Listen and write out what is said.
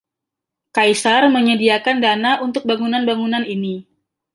Kaisar menyediakan dana untuk bangunan-bangunan ini.